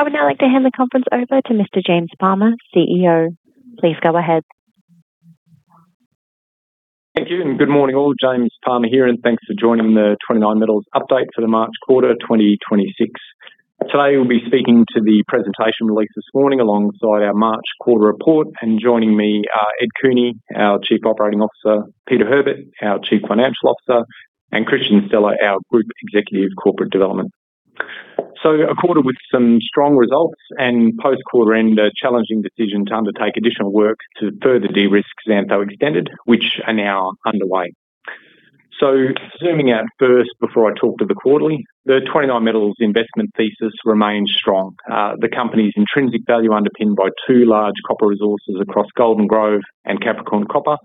I would now like to hand the conference over to Mr. James Palmer, CEO. Please go ahead. Thank you, and good morning, all. James Palmer here, thanks for joining the 29Metals update for the March quarter 2026. Today we'll be speaking to the presentation released this morning alongside our March quarter report. Joining me are Ed Cooney, our Chief Operating Officer, Peter Herbert, our Chief Financial Officer, and Kristian Stella, our Group Executive, Corporate Development. A quarter with some strong results and post-quarter end, a challenging decision to undertake additional work to further de-risk Xantho Extended, which are now underway. Zooming out first before I talk to the quarterly, the 29Metals investment thesis remains strong. The company's intrinsic value underpinned by two large copper resources across Golden Grove and Capricorn Copper.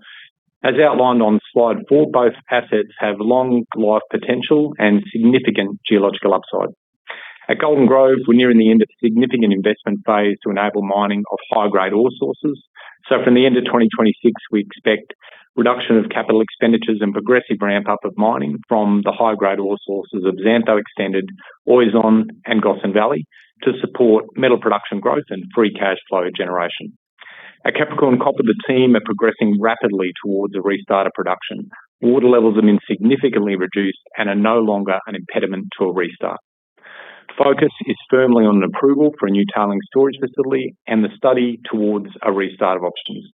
As outlined on slide four, both assets have long life potential and significant geological upside. At Golden Grove, we're nearing the end of a significant investment phase to enable mining of high-grade ore sources. From the end of 2026, we expect reduction of capital expenditures and progressive ramp-up of mining from the high-grade ore sources of Xantho Extended, Oizon, and Gossan Valley to support metal production growth and free cash flow generation. At Capricorn Copper, the team are progressing rapidly towards a restart of production. Water levels have been significantly reduced and are no longer an impediment to a restart. Focus is firmly on an approval for a new tailings storage facility and the study towards a restart of options.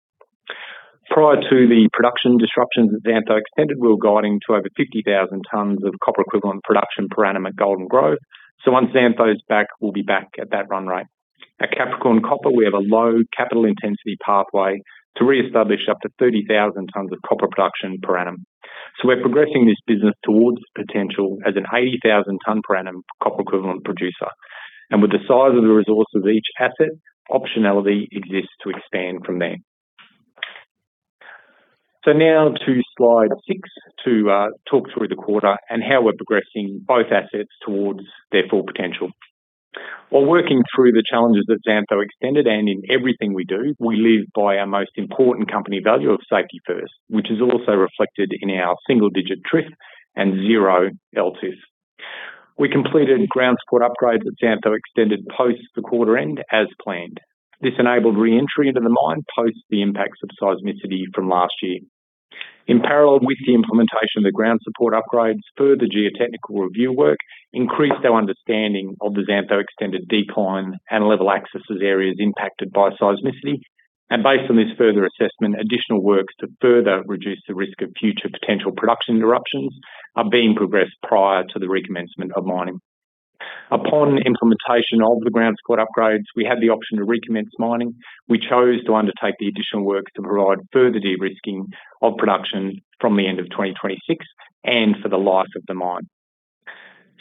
Prior to the production disruptions at Xantho Extended, we were guiding to over 50,000 tons of copper equivalent production per annum at Golden Grove. Once Xantho's back, we'll be back at that run rate. At Capricorn Copper, we have a low capital intensity pathway to reestablish up to 30,000 tons of copper production per annum. We're progressing this business towards its potential as an 80,000 ton per annum copper equivalent producer. With the size of the resource of each asset, optionality exists to expand from there. Now to slide six to talk through the quarter and how we're progressing both assets towards their full potential. Working through the challenges at Xantho Extended and in everything we do, we live by our most important company value of safety first, which is also reflected in our single-digit TRIF and zero LTIF. We completed ground support upgrades at Xantho Extended post the quarter end as planned. This enabled re-entry into the mine post the impacts of seismicity from last year. In parallel with the implementation of the ground support upgrades, further geotechnical review work increased our understanding of the Xantho Extended decline and level accesses areas impacted by seismicity. Based on this further assessment, additional works to further reduce the risk of future potential production interruptions are being progressed prior to the recommencement of mining. Upon implementation of the ground support upgrades, we had the option to recommence mining. We chose to undertake the additional work to provide further de-risking of production from the end of 2026 and for the life of the mine.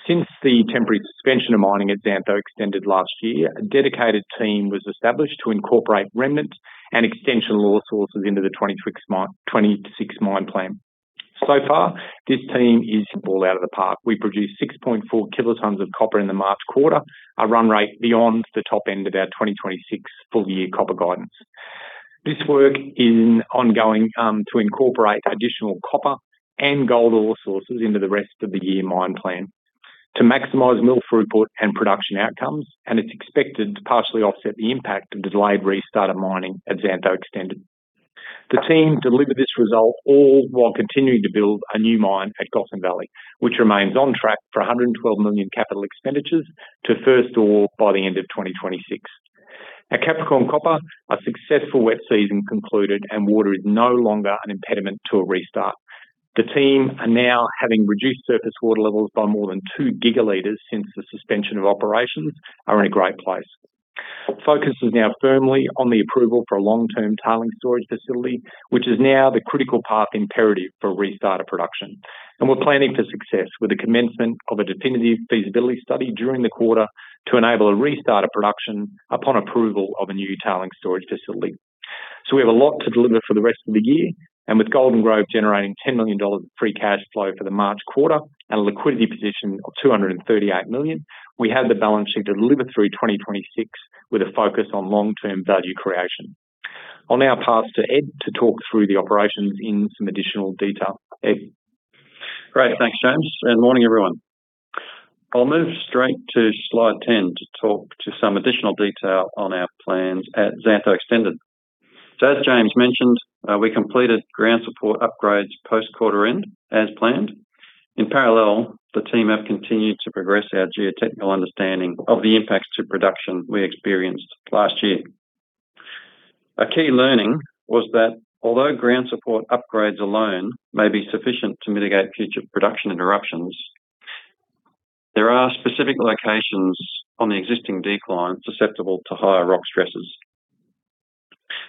Since the temporary suspension of mining at Xantho Extended last year, a dedicated team was established to incorporate remnant and extension ore sources into the 2026 mine plan. So far, this team is ball out of the park. We produced 6.4 kilotons of copper in the March quarter, a run rate beyond the top end of our 2026 full year copper guidance. This work is ongoing to incorporate additional copper and gold ore sources into the rest of the year mine plan to maximize mill throughput and production outcomes, and it's expected to partially offset the impact of delayed restart of mining at Xantho Extended. The team delivered this result all while continuing to build a new mine at Gossan Valley, which remains on track for 112 million capital expenditures to first ore by the end of 2026. At Capricorn Copper, a successful wet season concluded and water is no longer an impediment to a restart. The team are now having reduced surface water levels by more than 2 GL since the suspension of operations are in a great place. Focus is now firmly on the approval for a long-term tailings storage facility, which is now the critical path imperative for restart of production. We're planning for success with the commencement of a definitive feasibility study during the quarter to enable a restart of production upon approval of a new tailings storage facility. We have a lot to deliver for the rest of the year, and with Golden Grove generating 10 million dollars of free cash flow for the March quarter and a liquidity position of 238 million, we have the balance sheet to deliver through 2026 with a focus on long-term value creation. I will now pass to Ed to talk through the operations in some additional detail. Ed? Great. Thanks, James, and morning, everyone. I'll move straight to slide 10 to talk to some additional detail on our plans at Xantho Extended. As James mentioned, we completed ground support upgrades post-quarter end as planned. In parallel, the team have continued to progress our geotechnical understanding of the impacts to production we experienced last year. A key learning was that although ground support upgrades alone may be sufficient to mitigate future production interruptions, there are specific locations on the existing decline susceptible to higher rock stresses.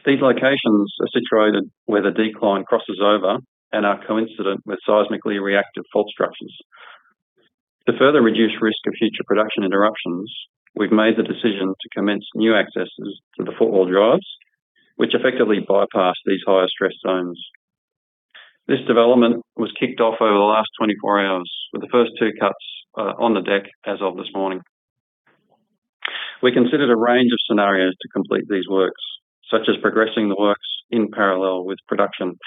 These locations are situated where the decline crosses over and are coincident with seismically reactive fault structures. To further reduce risk of future production interruptions, we've made the decision to commence new accesses to the footwall drives, which effectively bypass these higher stress zones. This development was kicked off over the last 24 hours, with the first two cuts on the deck as of this morning. We considered a range of scenarios to complete these works, such as progressing the works in parallel with production.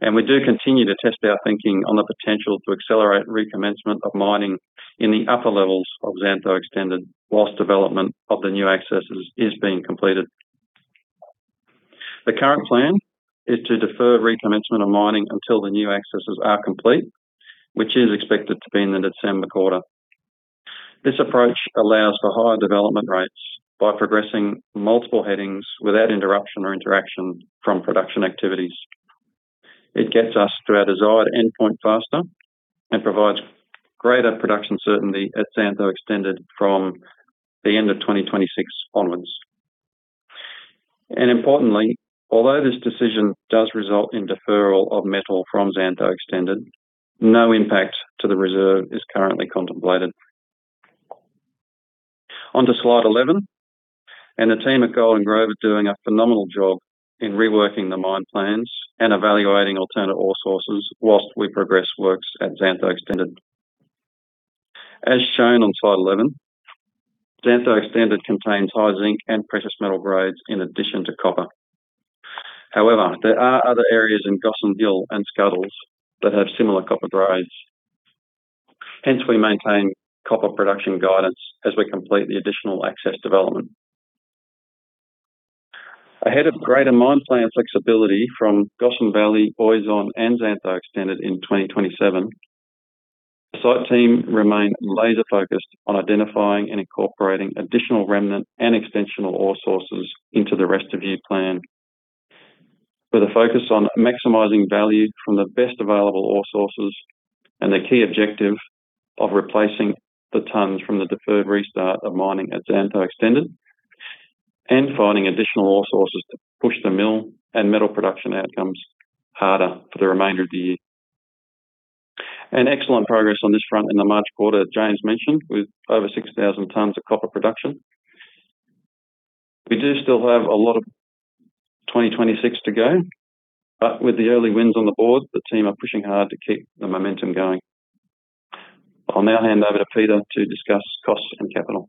We do continue to test our thinking on the potential to accelerate recommencement of mining in the upper levels of Xantho Extended whilst development of the new accesses is being completed. The current plan is to defer recommencement of mining until the new accesses are complete, which is expected to be in the December quarter. This approach allows for higher development rates by progressing multiple headings without interruption or interaction from production activities. It gets us to our desired endpoint faster and provides greater production certainty at Xantho Extended from the end of 2026 onwards. Importantly, although this decision does result in deferral of metal from Xantho Extended, no impact to the reserve is currently contemplated. On to slide 11. The team at Golden Grove are doing a phenomenal job in reworking the mine plans and evaluating alternate ore sources whilst we progress works at Xantho Extended. As shown on slide 11, Xantho Extended contains high zinc and precious metal grades in addition to copper. However, there are other areas in Gossan Hill and Scuddles that have similar copper grades. Hence, we maintain copper production guidance as we complete the additional access development. Ahead of greater mine plan flexibility from Gossan Valley, Oizon, and Xantho Extended in 2027, the site team remain laser-focused on identifying and incorporating additional remnant and extensional ore sources into the rest of year plan. With a focus on maximizing value from the best available ore sources and the key objective of replacing the tonnes from the deferred restart of mining at Xantho Extended and finding additional ore sources to push the mill and metal production outcomes harder for the remainder of the year. Excellent progress on this front in the March quarter, James mentioned, with over 6,000 tonnes of copper production. We do still have a lot of 2026 to go, with the early wins on the board, the team are pushing hard to keep the momentum going. I'll now hand over to Peter to discuss costs and capital.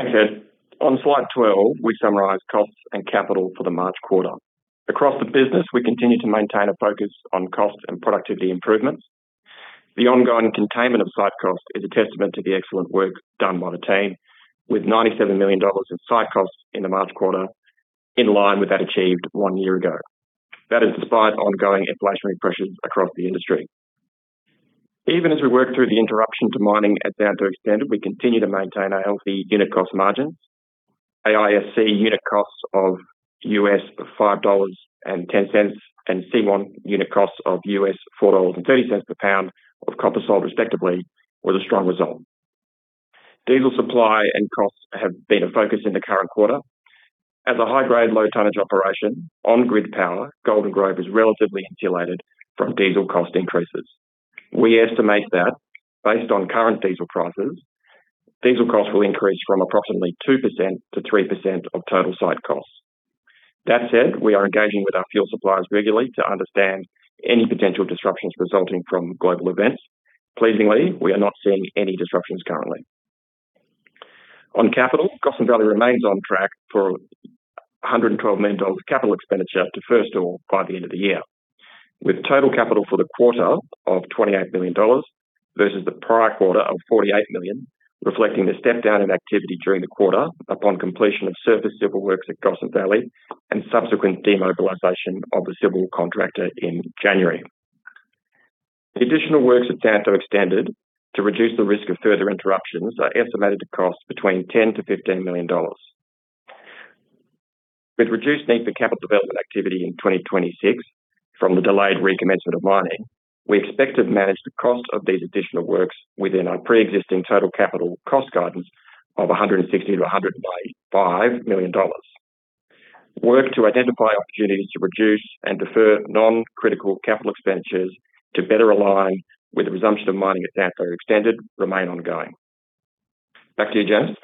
Okay. On slide 12, we summarize costs and capital for the March quarter. Across the business, we continue to maintain a focus on cost and productivity improvements. The ongoing containment of site costs is a testament to the excellent work done by the team, with 97 million dollars in site costs in the March quarter, in line with that achieved one year ago. That is despite ongoing inflationary pressures across the industry. Even as we work through the interruption to mining at Xantho Extended, we continue to maintain our healthy unit cost margins. AISC unit costs of $5.10, and C1 unit costs of $4.30 per pound of copper sold respectively, was a strong result. Diesel supply and costs have been a focus in the current quarter. As a high-grade, low-tonnage operation on grid power, Golden Grove is relatively insulated from diesel cost increases. We estimate that based on current diesel prices, diesel costs will increase from approximately 2% to 3% of total site costs. That said, we are engaging with our fuel suppliers regularly to understand any potential disruptions resulting from global events. Pleasingly, we are not seeing any disruptions currently. On capital, Gossan Valley remains on track for 112 million dollars capital expenditure to first ore by the end of the year, with total capital for the quarter of 28 million dollars versus the prior quarter of 48 million, reflecting the step-down in activity during the quarter upon completion of surface civil works at Gossan Valley and subsequent demobilization of the civil contractor in January. The additional works at Xantho Extended to reduce the risk of further interruptions are estimated to cost between 10 million-15 million dollars. With reduced need for capital development activity in 2026 from the delayed recommencement of mining, we expect to manage the cost of these additional works within our preexisting total capital cost guidance of 160 million-185 million dollars. Work to identify opportunities to reduce and defer non-critical capital expenditures to better align with the resumption of mining at Xantho Extended remain ongoing. Back to you, James.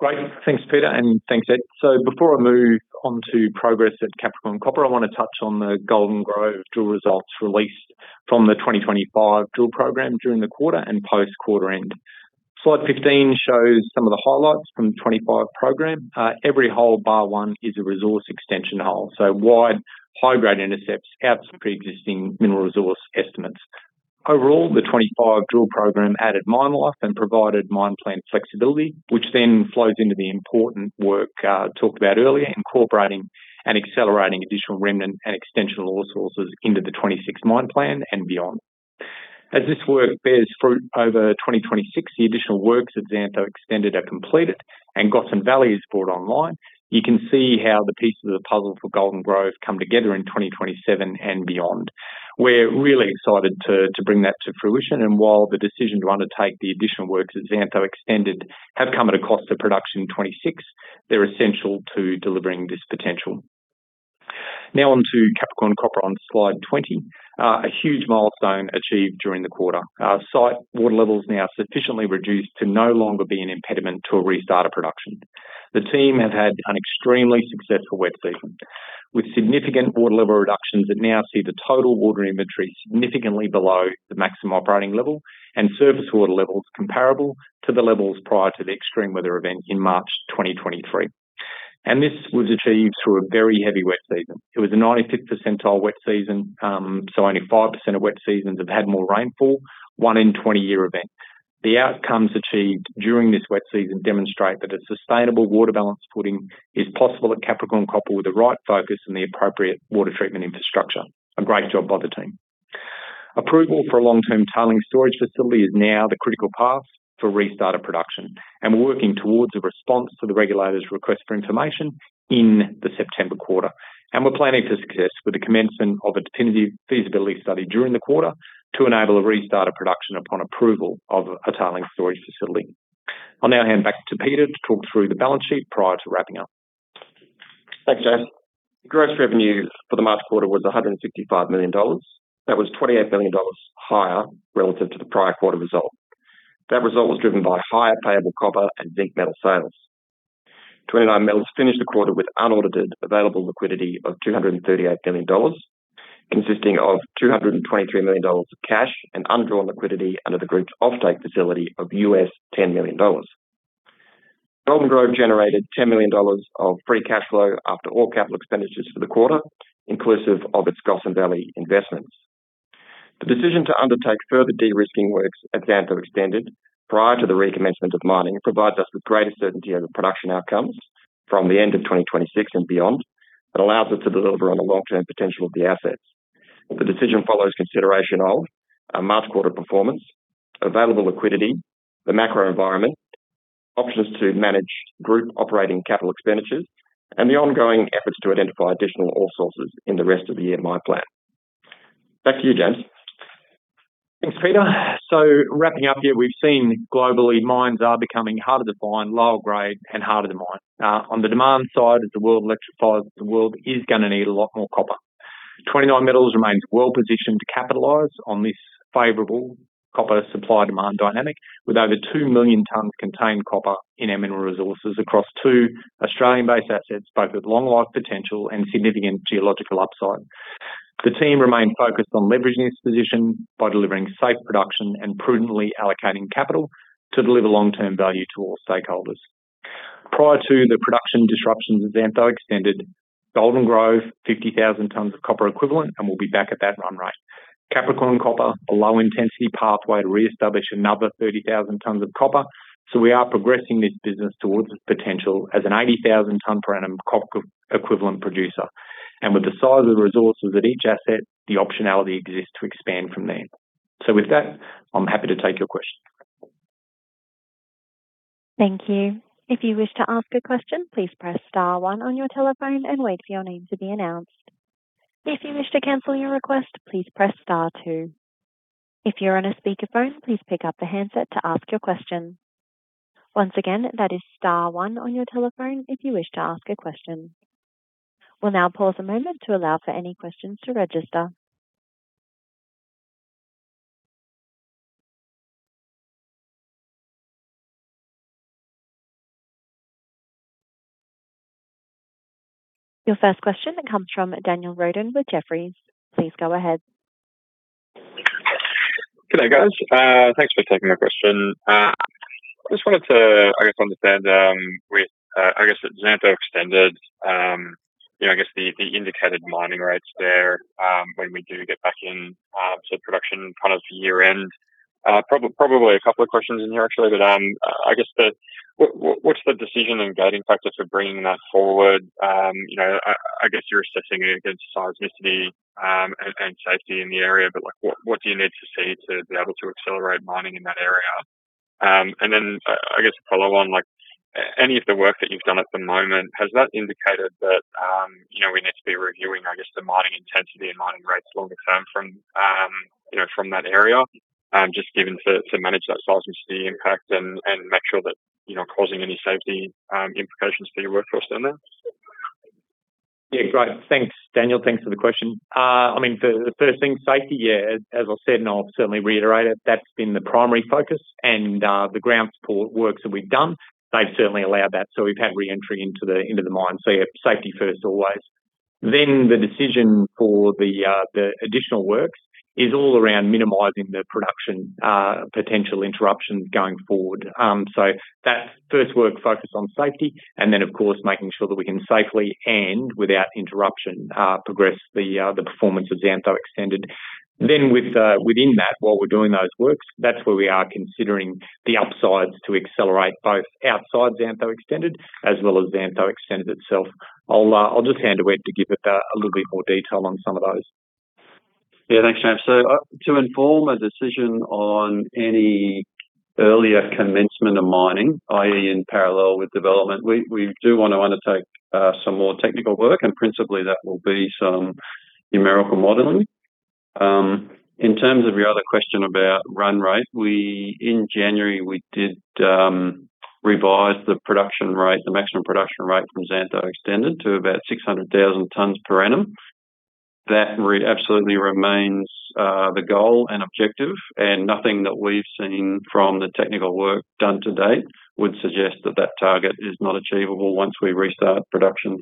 Great. Thanks, Peter, and thanks, Ed. Before I move on to progress at Capricorn Copper, I want to touch on the Golden Grove drill results released from the 2025 drill program during the quarter and post-quarter end. Slide 15 shows some of the highlights from the 2025 program. Every hole bar one is a resource extension hole, so wide, high-grade intercepts out some preexisting mineral resource estimates. Overall, the 2025 drill program added mine life and provided mine plan flexibility, which then flows into the important work talked about earlier, incorporating and accelerating additional remnant and extensional ore sources into the 2026 mine plan and beyond. As this work bears fruit over 2026, the additional works at Xantho Extended are completed and Gossan Valley is brought online. You can see how the pieces of the puzzle for Golden Grove come together in 2027 and beyond. We're really excited to bring that to fruition. While the decision to undertake the additional works at Xantho Extended have come at a cost to production in 2026, they're essential to delivering this potential. Now on to Capricorn Copper on slide 20. A huge milestone achieved during the quarter. Our site water levels now sufficiently reduced to no longer be an impediment to a restart of production. The team have had an extremely successful wet season, with significant water level reductions that now see the total water inventory significantly below the maximum operating level and surface water levels comparable to the levels prior to the extreme weather event in March 2023. This was achieved through a very heavy wet season. It was a 95th percentile wet season, so only 5% of wet seasons have had more rainfall. One in 20 year event. The outcomes achieved during this wet season demonstrate that a sustainable water balance footing is possible at Capricorn Copper with the right focus and the appropriate water treatment infrastructure. A great job by the team. Approval for a long-term tailings storage facility is now the critical path for restart of production, and we're working towards a response to the regulator's request for information in the September quarter. We're planning to success with the commencement of a definitive feasibility study during the quarter to enable a restart of production upon approval of a tailings storage facility. I'll now hand back to Peter to talk through the balance sheet prior to wrapping up. Thanks, James. Gross revenue for the March quarter was 165 million dollars. That was 28 million dollars higher relative to the prior quarter result. That result was driven by higher payable copper and zinc metal sales. 29Metals finished the quarter with unaudited available liquidity of 238 million dollars, consisting of 223 million dollars of cash and undrawn liquidity under the group's offtake facility of $10 million. Golden Grove generated 10 million dollars of free cash flow after all capital expenditures for the quarter, inclusive of its Gossan Valley investments. The decision to undertake further de-risking works at Xantho Extended prior to the recommencement of mining provides us with greater certainty over production outcomes from the end of 2026 and beyond. It allows us to deliver on the long-term potential of the assets. The decision follows consideration of our March quarter performance, available liquidity, the macro environment, options to manage group operating capital expenditures, and the ongoing efforts to identify additional ore sources in the rest of the year mine plan. Back to you, James. Thanks, Peter. Wrapping up here, we've seen globally mines are becoming harder to find, lower grade and harder to mine. On the demand side, as the world electrifies, the world is gonna need a lot more copper. 29Metals remains well-positioned to capitalize on this favorable copper supply-demand dynamic with over 2 million tons contained copper in our mineral resources across two Australian-based assets, both with long life potential and significant geological upside. The team remain focused on leveraging this position by delivering safe production and prudently allocating capital to deliver long-term value to all stakeholders. Prior to the production disruptions at Xantho Extended, Golden Grove, 50,000 tons of copper equivalent, and we'll be back at that run rate. Capricorn Copper, a low-intensity pathway to reestablish another 30,000 tons of copper. We are progressing this business towards its potential as an 80,000 ton per annum copper equivalent producer. With the size of the resources at each asset, the optionality exists to expand from there. With that, I'm happy to take your questions. Your first question comes from Daniel Roden with Jefferies. Please go ahead. Good day, guys. Thanks for taking my question. I just wanted to, I guess, understand, with, I guess at Xantho Extended, you know, I guess the indicated mining rates there, when we do get back in, so production kind of year-end. Probably a couple of questions in here actually, but, I guess what's the decision and guiding factor for bringing that forward? You know, I guess you're assessing it against seismicity, and safety in the area, but, like, what do you need to see to be able to accelerate mining in that area? I guess follow on, like, any of the work that you've done at the moment, has that indicated that, you know, we need to be reviewing, I guess, the mining intensity and mining rates longer term from, you know, from that area, just given to manage that seismicity impact and make sure that you're not causing any safety, implications for your workforce down there? Yeah. Great. Thanks, Daniel. Thanks for the question. I mean, the first thing, safety, yeah, as I said, I'll certainly reiterate it, that's been the primary focus, the ground support works that we've done, they've certainly allowed that. We've had re-entry into the mine. Yeah, safety first, always. The decision for the additional works is all around minimizing the production potential interruptions going forward. That's first work focused on safety, of course, making sure that we can safely and without interruption progress the performance of Xantho Extended. Within that, while we're doing those works, that's where we are considering the upsides to accelerate both outside Xantho Extended as well as Xantho Extended itself. I'll just hand to Ed to give a little bit more detail on some of those. Thanks, James. To inform a decision on any earlier commencement of mining, i.e. in parallel with development, we do want to undertake some more technical work, and principally that will be some numerical modeling. In terms of your other question about run rate, in January, we did revise the production rate, the maximum production rate from Xantho Extended to about 600,000 tons per annum. That absolutely remains the goal and objective, nothing that we've seen from the technical work done to date would suggest that that target is not achievable once we restart production.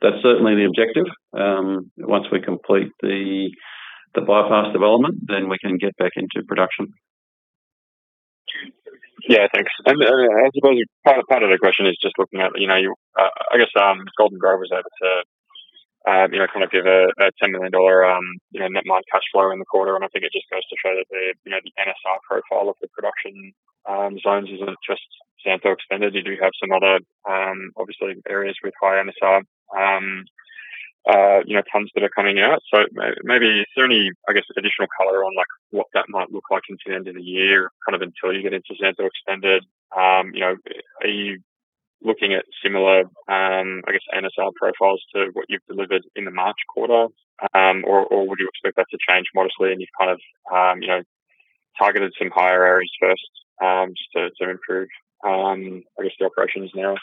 That's certainly the objective. Once we complete the bypass development, we can get back into production. Thanks. I suppose part of the question is just looking at Golden Grove was able to give a 10 million dollar net mine cash flow in the quarter. I think it just goes to show that the NSR profile of the production zones isn't just Xantho Extended. You do have some other obviously areas with high NSR tons that are coming out. Is there any additional color on what that might look like into the end of the year until you get into Xantho Extended? Are you looking at similar NSR profiles to what you've delivered in the March quarter? Or would you expect that to change modestly and you've kind of, you know, targeted some higher areas first to improve, I guess, the operations now?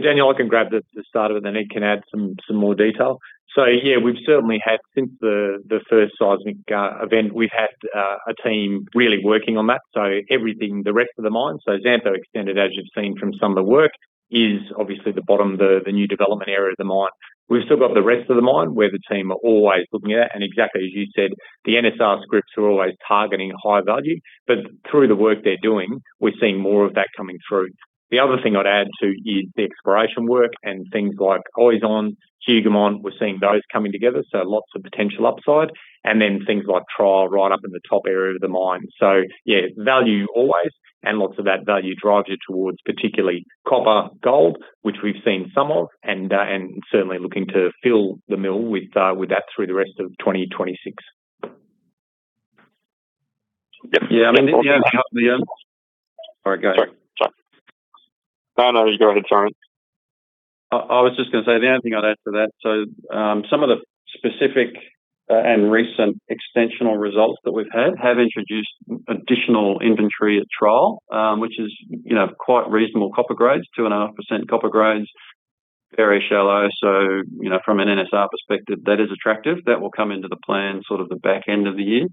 Daniel, I can grab the start of it, and Ed can add some more detail. Yeah, we've certainly had since the first seismic event, we've had a team really working on that. Everything, the rest of the mine. Xantho Extended, as you've seen from some of the work, is obviously the bottom, the new development area of the mine. We've still got the rest of the mine where the team are always looking at it. Exactly as you said, the NSR scripts are always targeting high value. Through the work they're doing, we're seeing more of that coming through. The other thing I'd add too is the exploration work and things like Oizon, Hougoumont, we're seeing those coming together, lots of potential upside. Things like Tryall right up in the top area of the mine. Yeah, value always, and lots of that value drives you towards particularly copper, gold, which we've seen some of, and certainly looking to fill the mill with that through the rest of 2026. Yep. Yeah, I mean, yeah. All right, go ahead. Sorry. No, you go ahead, sorry. Some of the specific and recent extensional results that we've had have introduced additional inventory at Tryall, which is, you know, quite reasonable copper grades, 2.5% copper grades, very shallow. You know, from an NSR perspective, that is attractive. That will come into the plan sort of the back end of the year.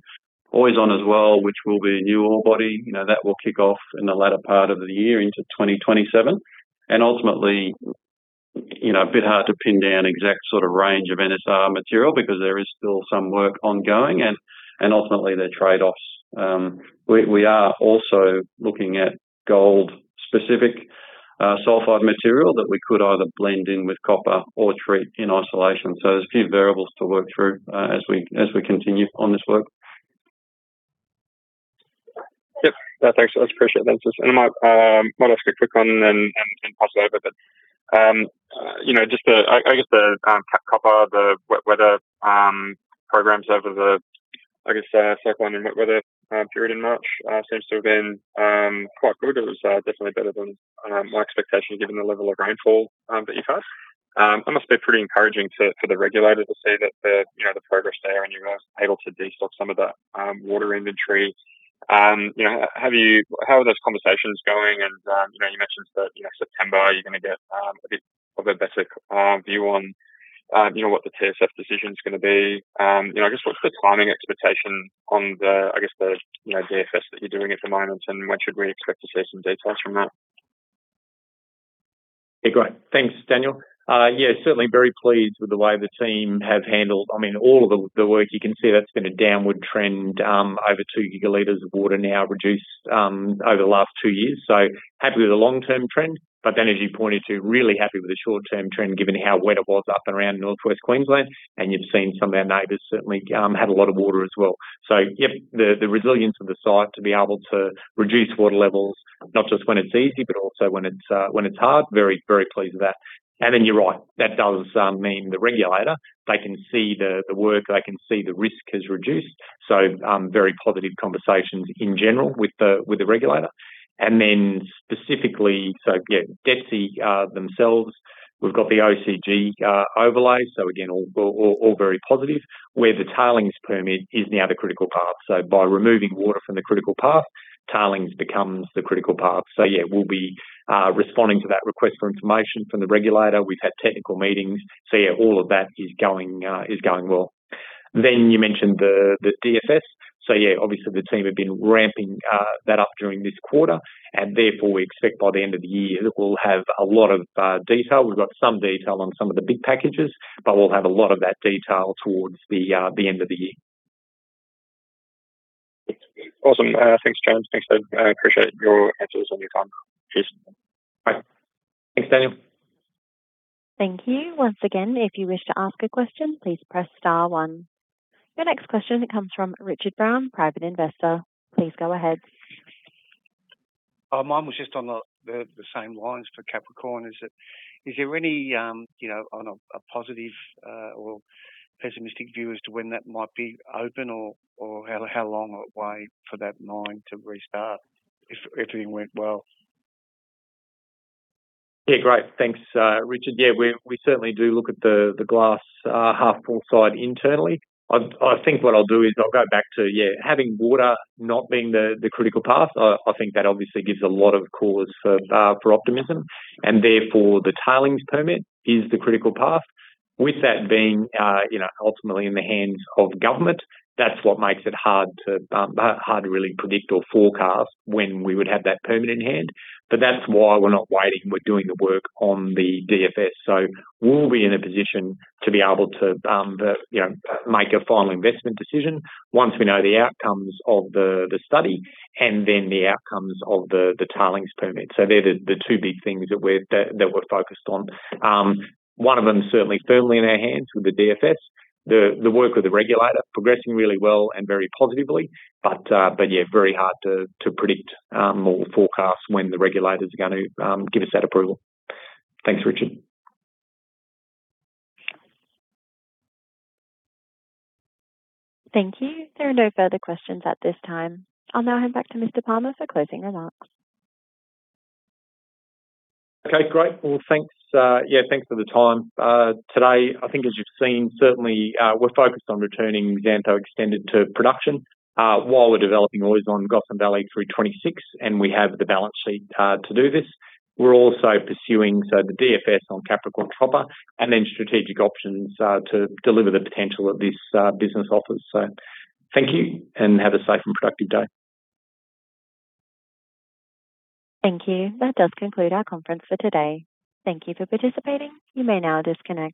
Oizon as well, which will be a new ore body. You know, that will kick off in the latter part of the year into 2027. Ultimately, you know, a bit hard to pin down exact sort of range of NSR material because there is still some work ongoing and ultimately, there are trade-offs. We are also looking at gold specific sulfide material that we could either blend in with copper or treat in isolation. There's a few variables to work through as we continue on this work. Yep. No, thanks. That's appreciate that. I might ask a quick one and pass it over. You know, I guess the copper, the wet weather programs over the, I guess, cyclone and wet weather period in March seems to have been quite good. It was definitely better than my expectation given the level of rainfall that you've had. It must be pretty encouraging to, for the regulator to see that the, you know, the progress there and you were able to de-stock some of that water inventory. You know, how are those conversations going? You know, you mentioned that, you know, September you're gonna get a bit of a better view on, you know, what the TSF decision is gonna be. You know, I guess what's the timing expectation on the, you know, DFS that you're doing at the moment and when should we expect to see some details from that? Great. Thanks, Daniel. Certainly very pleased with the way the team have handled, I mean, all of the work. You can see that's been a downward trend, over 2 GL of water now reduced, over the last two years. Happy with the long-term trend. As you pointed to, really happy with the short-term trend, given how wet it was up and around North West Queensland. You've seen some of our neighbors certainly had a lot of water as well. The resilience of the site to be able to reduce water levels, not just when it's easy, but also when it's hard. Very, very pleased with that. You're right, that does mean the regulator. They can see the work. They can see the risk has reduced. Very positive conversations in general with the, with the regulator. Specifically, DETSI themselves, we've got the OCG overlay. Again, all very positive, where the tailings permit is now the critical path. By removing water from the critical path, tailings becomes the critical path. We'll be responding to that request for information from the regulator. We've had technical meetings. All of that is going well. You mentioned the DFS. Obviously the team have been ramping that up during this quarter, and therefore we expect by the end of the year that we'll have a lot of detail. We've got some detail on some of the big packages, but we'll have a lot of that detail towards the end of the year. Awesome. Thanks, James. Thanks, Ed. I appreciate your answers and your time. Cheers. Bye. Thanks, Daniel. Thank you. Once again, if you wish to ask a question, please press star one. Your next question comes from Richard Brown, Private Investor. Please go ahead. Mine was just on the same lines for Capricorn. Is there any, you know, on a positive or pessimistic view as to when that might be open or how long a way for that mine to restart if everything went well? Yeah. Great. Thanks, Richard. Yeah, we certainly do look at the glass half full side internally. I think what I'll do is I'll go back to having water not being the critical path. I think that obviously gives a lot of cause for optimism. Therefore, the tailings permit is the critical path. With that being, you know, ultimately in the hands of government, that's what makes it hard to really predict or forecast when we would have that permit in hand. That's why we're not waiting. We're doing the work on the DFS. We'll be in a position to be able to, you know, make a final investment decision once we know the outcomes of the study and then the outcomes of the tailings permit. They're the two big things that we're focused on. One of them certainly firmly in our hands with the DFS. The work with the regulator progressing really well and very positively. Yeah, very hard to predict or forecast when the regulators are going to give us that approval. Thanks, Richard. Thank you. There are no further questions at this time. I'll now hand back to Mr. Palmer for closing remarks. Okay, great. Well, thanks, yeah, thanks for the time. Today, I think as you've seen, certainly, we're focused on returning Xantho Extended to production, while we're developing Oizon, Gossan Valley through 2026, and we have the balance sheet to do this. We're also pursuing the DFS on Capricorn Copper and then strategic options to deliver the potential that this business offers. Thank you, and have a safe and productive day. Thank you. That does conclude our conference for today. Thank you for participating. You may now disconnect.